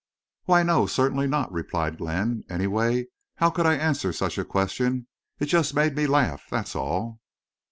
"Why, no, certainly not!" replied Glenn. "Anyway, how could I answer such a question? It just made me laugh, that's all."